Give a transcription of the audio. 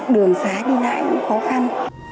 đường xá đi lại cũng khó khăn